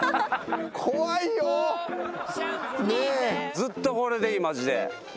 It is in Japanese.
ずっとこれでいいマジで。